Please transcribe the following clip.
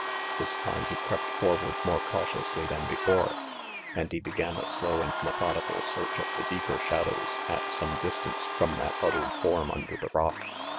This time he crept forward more cautiously than before; and he began a slow and methodical search of the deeper shadows at some distance from that huddled form under the rock.